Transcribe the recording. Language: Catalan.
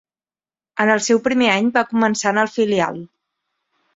En el seu primer any va començar en el filial.